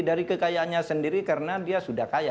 dari kekayaannya sendiri karena dia sudah kaya